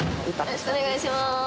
よろしくお願いします。